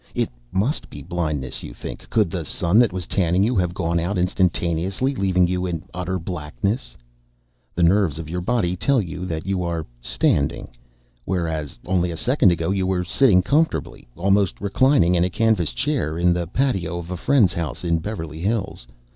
It must be blindness, you think; could the sun that was tanning you have gone out instantaneously, leaving you in utter blackness? Then the nerves of your body tell you that you are standing, whereas only a second ago you were sitting comfortably, almost reclining, in a canvas chair. In the patio of a friend's house in Beverly Hills.